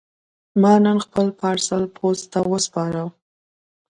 ما نن خپل پارسل پوسټ ته وسپاره.